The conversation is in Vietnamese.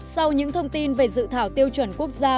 sau những thông tin về dự thảo tiêu chuẩn quốc gia